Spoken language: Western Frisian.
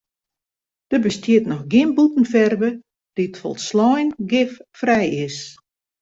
Der bestiet noch gjin bûtenferve dy't folslein giffrij is.